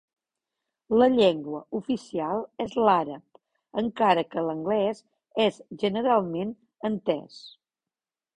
La llengua oficial és l'àrab encara que l'anglès és generalment entès.